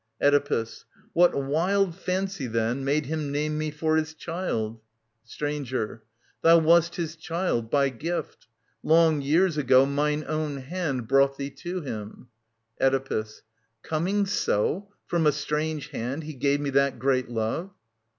Oedipus. What wild Fancy, then, made him name me for his child ? Stranger. Thou wast his child — by gift. Long years ago Mine own hand brought thee to him. Oedipus. Coming so. From a strange hand, he gave me that great love